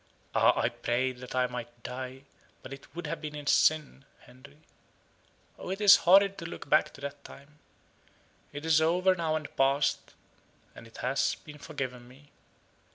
Ah! I prayed that I might die, but it would have been in sin, Henry. Oh, it is horrid to look back to that time. It is over now and past, and it has been forgiven me.